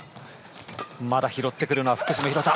まだ拾ってくるのは福島廣田。